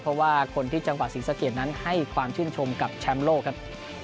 เพราะว่าคนที่จังหวะนั้นให้ความชื่นชมกับครับ